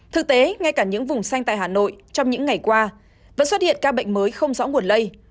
thực tế ngay cả những vùng xanh tại hà nội trong những ngày qua vẫn xuất hiện ca bệnh mới không rõ nguồn lây